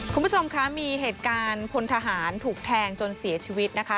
คุณผู้ชมคะมีเหตุการณ์พลทหารถูกแทงจนเสียชีวิตนะคะ